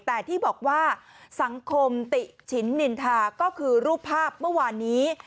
แต่ที่บอกว่าสังคมติฉินนินทาก็คือรูปภาพเมื่อวานนี้